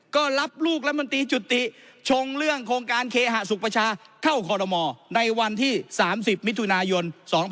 ก็รับลูกรัฐมนตรีจุติชงเรื่องโครงการเคหสุขประชาเข้าคอรมอในวันที่๓๐มิถุนายน๒๕๖๒